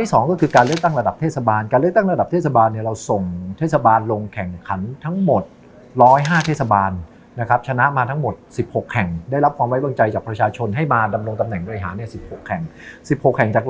ที่๒ก็คือการเลือกตั้งระดับเทศบาลการเลือกตั้งระดับเทศบาลเราส่งเทศบาลลงแข่งขันทั้งหมด๑๐๕เทศบาลนะครับชนะมาทั้งหมด๑๖แห่งได้รับความไว้วางใจจากประชาชนให้มาดำรงตำแหน่งบริหาร๑๖แห่ง๑๖แห่งจาก๑๐